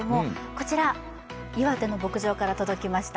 こちら、岩手の牧場から届きました